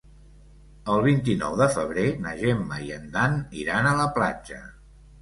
El vint-i-nou de febrer na Gemma i en Dan iran a la platja.